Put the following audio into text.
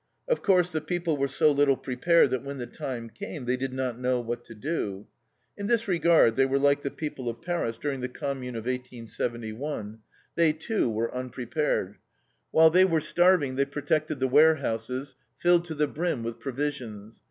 Of course, the people were so little prepared that when the time came, they did not know what to do. In this regard they were like the people of Paris during the Commune of 1871. They, too, were unprepared. While they were starving, they protected the warehouses, filled to the brim with provisions.